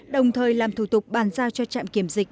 đồng thời làm thủ tục bàn giao cho trạm kiểm dịch